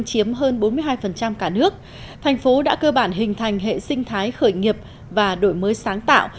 chiếm hơn bốn mươi hai cả nước thành phố đã cơ bản hình thành hệ sinh thái khởi nghiệp và đổi mới sáng tạo